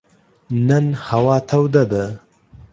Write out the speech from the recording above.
نن هوا توده ده.